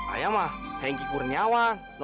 ayamah hengki kurniawan